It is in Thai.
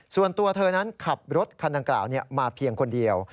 ส่วนตัวเธอนั้นขับรถคันดังกล่าวมาเพียงคนเดียว